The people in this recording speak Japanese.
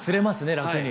楽に。